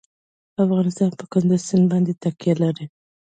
افغانستان په کندز سیند باندې تکیه لري.